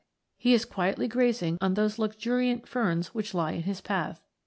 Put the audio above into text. he is quietly grazing on those luxuriant ferns which lie in his path.